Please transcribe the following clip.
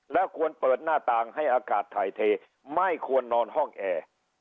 แล้วควรเปิดหน้าต่างให้อากาศถ่ายเทไม่ควรนอนห้องแอร์